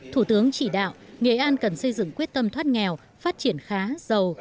thủ tướng chỉ đạo nghệ an cần xây dựng quyết tâm thoát nghèo phát triển khá giàu